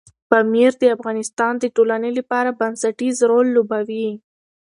پامیر د افغانستان د ټولنې لپاره بنسټيز رول لوبوي.